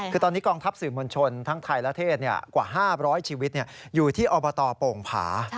คือตอนนี้กองทัพสื่อมวลชนทั้งไทยและเทศกว่า๕๐๐ชีวิตอยู่ที่อบตโป่งผา